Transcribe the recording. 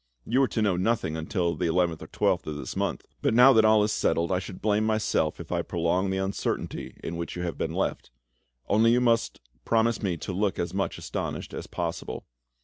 You were to know nothing until the 11th or 12th of this month, but now that all is settled, I should blame myself if I prolonged the uncertainty in which you have been left, only you must promise me to look as much astonished as possible.